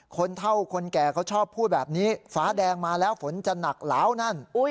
คนเท่าคนแก่เขาชอบพูดแบบนี้ฟ้าแดงมาแล้วฝนจะหนักหลาวนั่น